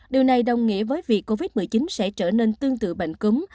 điều này đồng nghĩa với việc covid một mươi chín sẽ trở nên tương tự bệnh cúng